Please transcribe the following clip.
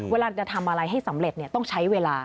เวลาจะทำอะไรให้สำเร็จต้องใช้เวลา